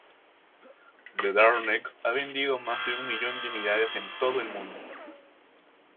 The Darkness ha vendido más de un millón de unidades en todo el mundo.